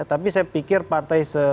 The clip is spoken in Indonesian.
tapi saya pikir partai sekalibu ya